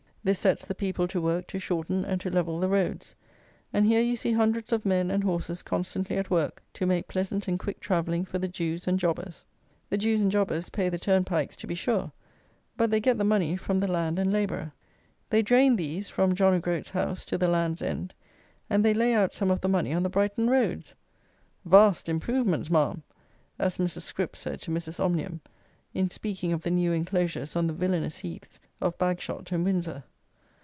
This sets the people to work to shorten and to level the roads; and here you see hundreds of men and horses constantly at work to make pleasant and quick travelling for the Jews and jobbers. The Jews and jobbers pay the turnpikes, to be sure; but they get the money from the land and labourer. They drain these, from John a Groat's House to the Land's End, and they lay out some of the money on the Brighton roads! "Vast improvements, ma'am!" as Mrs. Scrip said to Mrs. Omnium, in speaking of the new enclosures on the villanous heaths of Bagshot and Windsor.